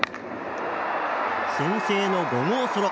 先制の５号ソロ。